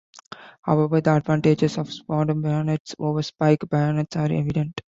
However, the advantages of sword bayonets over spike bayonets are evident.